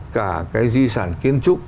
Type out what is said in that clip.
cả cái di sản kiên trúc